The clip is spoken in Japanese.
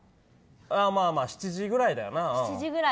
まあまあ７時ぐらいだよな。